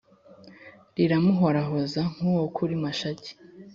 liramuhorahoza nk’uwo kuri Mashaki